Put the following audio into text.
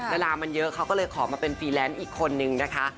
เวลามันเยอะเขาก็เลยขอมาเป็นฟรีแลนซ์อีกคนนึงนะคะ